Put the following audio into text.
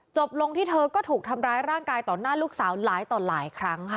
จบลงที่เธอก็ถูกทำร้ายร่างกายต่อหน้าลูกสาวหลายต่อหลายครั้งค่ะ